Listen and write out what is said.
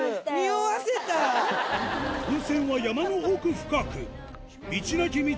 温泉は山の奥深く道